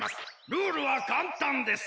ルールはかんたんです。